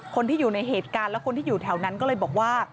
คนที่อยู่ในเหตุการณ์และคนที่อยู่แถวนั้นก็เลยบอกว่า